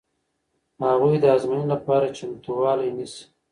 هغوی د ازموینې لپاره چمتووالی نیسي.